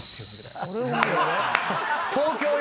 東京よ